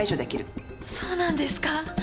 そうなんですか？